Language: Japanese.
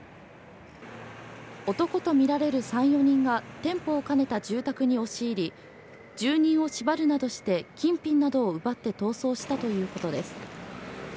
男とみられる３４人が店舗を兼ねた住宅に押し入り住人を縛るなどして金品などを奪って逃走したということです。